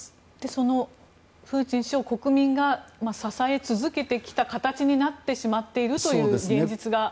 そのプーチン氏を国民が支え続けてきた形になってしまっているという現実が。